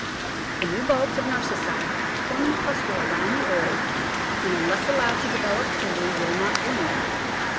The new bulbs of Narcissi form in a cluster around the old, and unless allowed to develop freely will not bloom.